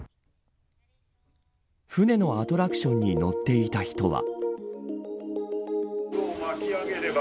船のアトラクションに乗っていた人は。